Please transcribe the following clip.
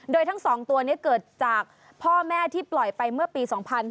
โดยทั้ง๒ตัวนี้เกิดจากพ่อแม่ที่ปล่อยไปเมื่อปี๒๕๕๙